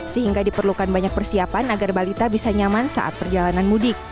sehingga diperlukan banyak persiapan agar balita bisa nyaman saat perjalanan mudik